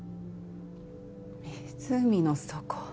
湖の底。